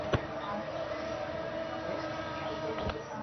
Ha dictado numerosas conferencias en universidades nacionales y del extranjero.